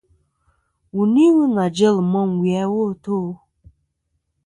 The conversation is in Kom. Wu ni wu nà jel môm wì awo a tô.